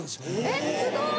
えっすごい！